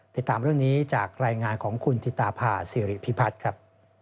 ติดตามเรื่องนี้จากรายงานของคุณธิตาภาษีริพิพัฒน์ครับ